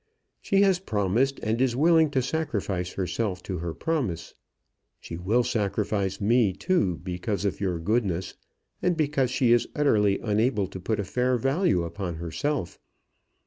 She has promised, and is willing to sacrifice herself to her promise. She will sacrifice me too because of your goodness, and because she is utterly unable to put a fair value upon herself.